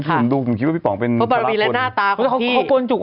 เพราะว่ามีแล้วหน้าตาของพี่